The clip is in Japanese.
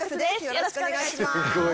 よろしくお願いします。